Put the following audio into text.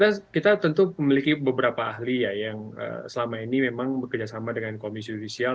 ya kita tentu memiliki beberapa ahli ya yang selama ini memang bekerjasama dengan komisi judisial